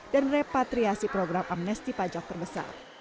dan repatriasi program amnesti pajak terbesar